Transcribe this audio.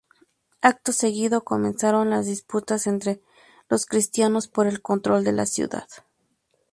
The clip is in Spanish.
Acto seguido, comenzaron las disputas entre los cristianos por el control de la ciudad.